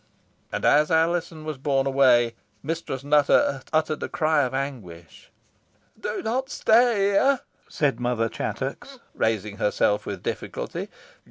And as Alizon was borne away, Mistress Nutter uttered a cry of anguish. "Do not stay here," said Mother Chattox, raising herself with difficulty.